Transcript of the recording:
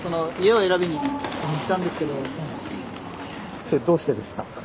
それどうしてですか？